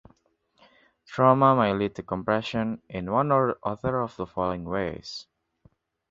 Trauma may lead to compression in one or other of the following ways.